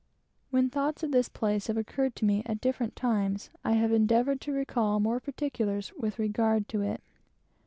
When thoughts of this place have occurred to me at different times, I have endeavored to recall more particulars with regard to it.